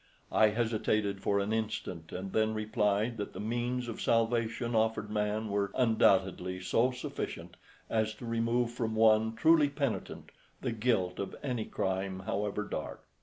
I hesitated for an instant, and then replied that the means of salvation offered man were undoubtedly so sufficient as to remove from one truly penitent the guilt of any crime however dark.